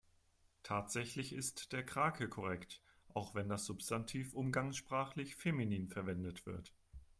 Tatsächlich ist der Krake korrekt, auch wenn das Substantiv umgangssprachlich feminin verwendet wird.